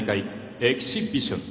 エキシビジョン。